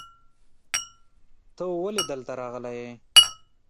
ته ولې دلته راغلی یې؟